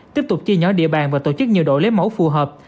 tiếp tục chia nhỏ địa bàn và tổ chức nhiều đội lấy mẫu phù hợp